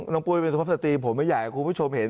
ปุ้ยเป็นสุภาพสตรีผมไม่อยากให้คุณผู้ชมเห็น